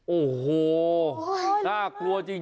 โอ้โหน่ากลัวจริง